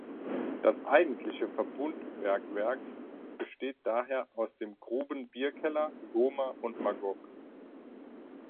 Das eigentliche Verbundbergwerk besteht daher aus dem Gruben Bierkeller, Gomer und Magog.